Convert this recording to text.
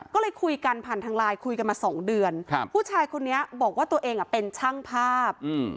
ก็เลยคุยกันผ่านทางไลน์คุยกันมาสองเดือนผู้ชายคนนี้บอกว่าตัวเองเป็นช่างภาพ